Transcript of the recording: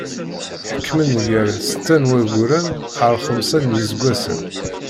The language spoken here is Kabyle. Ḥekmen gar setta n wagguren ar xemsa n yiseggasen.